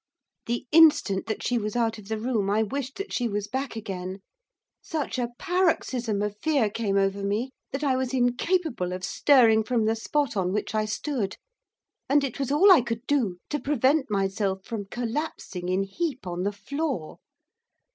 The instant that she was out of the room I wished that she was back again. Such a paroxysm of fear came over me, that I was incapable of stirring from the spot on which I stood, and it was all I could do to prevent myself from collapsing in a heap on the floor.